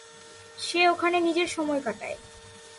সে ওখানে নিজের সময় কাটায়।